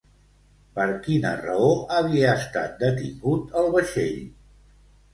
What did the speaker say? Per quina raó havia estat detingut el vaixell?